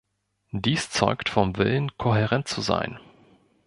Dies zeugt vom Willen, kohärent zu sein.